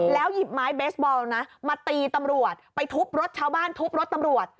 หยิบไม้เบสบอลนะมาตีตำรวจไปทุบรถชาวบ้านทุบรถตำรวจ